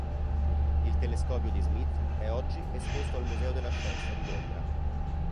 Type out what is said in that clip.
Il telescopio di Smyth è oggi esposto al Museo della Scienza di Londra.